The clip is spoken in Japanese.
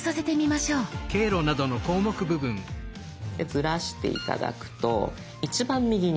ずらして頂くと一番右に。